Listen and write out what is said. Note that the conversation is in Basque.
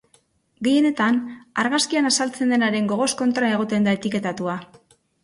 Gehienetan argazkian azaltzen denaren gogoz kontra egoten da etiketatuta.